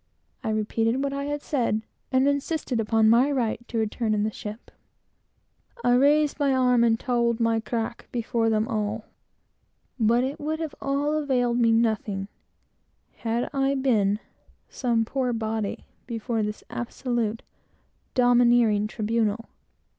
I repeated what I had said, and insisted upon my right to return in the ship. I "raised my arm, and tauld my crack, Before them a'." But it would have all availed me nothing, had I been "some poor body," before this absolute, domineering tribunal.